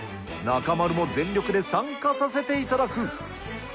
中丸も全力で参加させていただく。